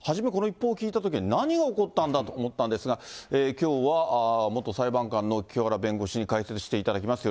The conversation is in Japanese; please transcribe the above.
初め、この一報を聞いたときは何が起こったんだと思ったんですが、きょうは元裁判官の清原弁護士に解説していただきます。